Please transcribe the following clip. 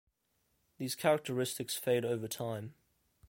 These characteristics fade over time.